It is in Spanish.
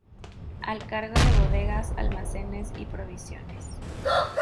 Al cargo de bodegas, almacenes y provisiones.